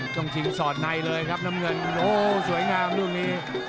ต้องชิงสอดในเลยครับน้ำเงินโอ้สวยงามลูกนี้